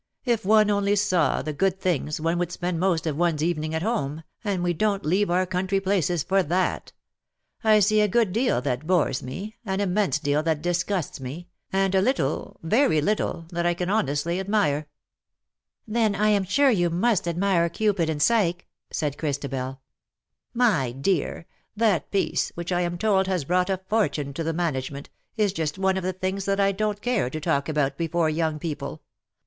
If one only saw the good things, one would spend most of one's even ing at home, and we don't leave our country places for that. I see a good deal that bores me, an inimense deal that disgusts me, and a little — a very little — that I can honestly admire/" '^ Then I am sure you must admire ^ Cupid and Psyche," "" said Christabel. '^ My dear, that piece, which I am told has brought a fortune to the management, is just one of the things that I don't care to talk about before young people.